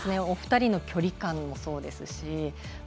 お二人の距離感もそうですし。